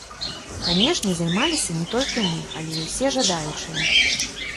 Канешне, займаліся не толькі мы, але і ўсе жадаючыя.